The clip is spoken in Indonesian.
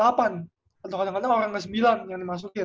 atau kadang kadang orang ada sembilan yang dimasukin